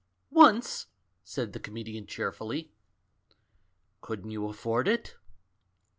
"Once," said the comedian cheerfully. "Couldn't you afford it?"